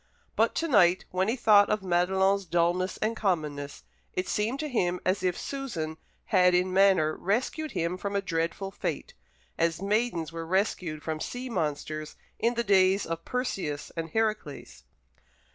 But to night, when he thought of Madelon's dulness and commonness, it seemed to him as if Susan had in manner rescued him from a dreadful fate as maidens were rescued from sea monsters in the days of Perseus and Heracles.